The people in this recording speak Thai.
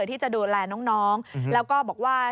ที่จะดูแลน้องแล้วก็บอกว่า